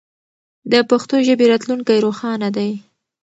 د پښتو ژبې راتلونکی روښانه دی.